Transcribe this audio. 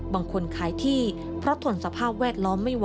บางคนขายที่เพราะทนสภาพแวดล้อมไม่ไหว